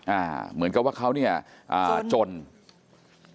อ่าเหมือนกับว่าเขาเนี่ยจนจน